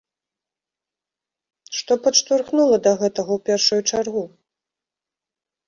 Што падштурхнула да гэтага ў першую чаргу?